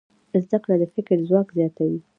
زده کړه د فکر ځواک زیاتوي.